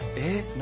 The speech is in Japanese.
何？